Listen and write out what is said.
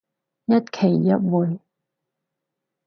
一期一會